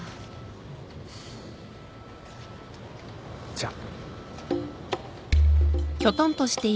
じゃあ。